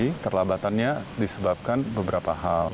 keterlambatannya disebabkan beberapa hal